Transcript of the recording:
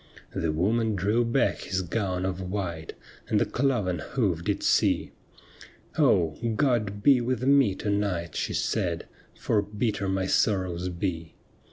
The woman drew back his gown of white. And the cloven hoof did see :' Oh ! God be with me to night,' she said, ' For bitter my sorrows be.